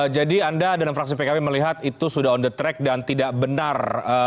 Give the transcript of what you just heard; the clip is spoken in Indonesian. jadi anda dan fraksi pkp melihat itu sudah on the track dan tidak benar